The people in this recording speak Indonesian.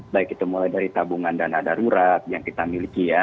baik itu mulai dari tabungan dana darurat yang kita miliki ya